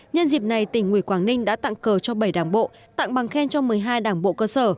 nhân dịp này tỉnh ủy quảng ninh đã tặng cờ cho bảy đảng bộ tặng bằng khen cho một mươi hai đảng bộ cơ sở